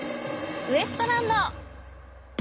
ウエストランド！」。